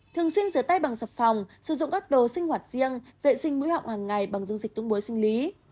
thường xuyên giữa tay bằng sập phòng sử dụng ớt đồ sinh hoạt riêng vệ sinh mũi họng hàng ngày bằng dung dịch túng bối sinh lý